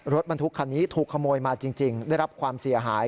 รถบรรทุกคันนี้ถูกขโมยมาจริงได้รับความเสียหาย